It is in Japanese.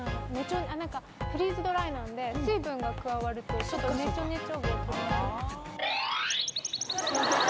なんかフリーズドライなんで水分が加わるとちょっとねちょねちょ。